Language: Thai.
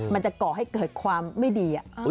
มันจะก่อให้เกิดความไม่ดี